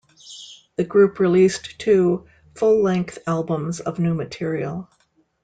The group released two full-length albums of new material.